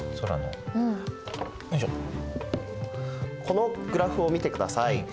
このグラフを見てください。